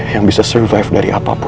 yang bisa survive dari apapun